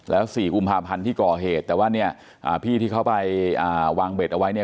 แล้ว๔กุมภาพันธ์ที่ก่อเหตุแต่ว่าเนี่ยพี่ที่เขาไปวางเบ็ดเอาไว้เนี่ย